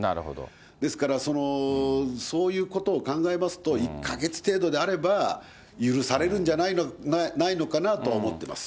ですから、そういうことを考えますと、１か月程度であれば、許されるんじゃないのかなと思ってます。